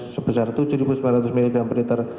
sebesar tujuh tujuh ratus mgl per liter